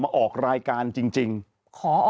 ผมก็กล้ายืนยันว่าไม่มีลองฟังพี่หนุ่มชี้แจงดูนะฮะ